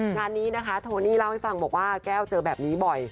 งานนี้นะคะโทนี่เล่าให้ฟังบอกว่าแก้วเจอแบบนี้บ่อย